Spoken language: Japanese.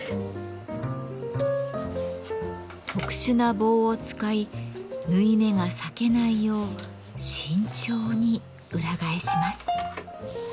特殊な棒を使い縫い目が裂けないよう慎重に裏返します。